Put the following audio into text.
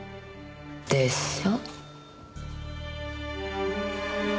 でしょ？